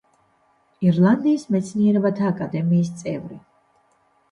ირლანდიის მეცნიერებათა აკადემიის წევრი.